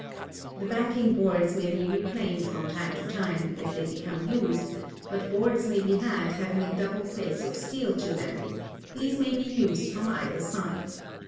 The backing boards may be replaned from time to time, as they become used, but boards may be had having a double face of steel to them; these may be used from either side.